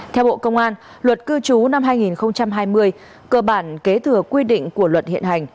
theo bộ công an luật cư trú năm hai nghìn hai mươi cơ bản kế thừa quy định của luật hiện hành